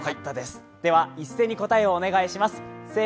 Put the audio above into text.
では、一斉に答えをお願いします。